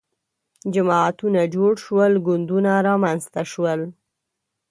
جماعتونه جوړ شول ګوندونه رامنځته شول